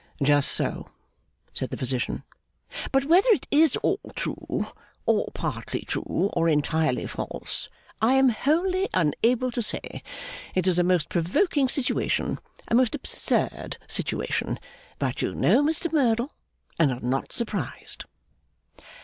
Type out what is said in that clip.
'Just so,' said Physician. 'But whether it is all true, or partly true, or entirely false, I am wholly unable to say. It is a most provoking situation, a most absurd situation; but you know Mr Merdle, and are not surprised.